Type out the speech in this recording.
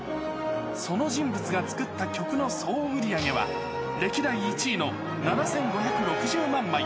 その人物が作った曲の総売り上げは、歴代１位の７５６０万枚。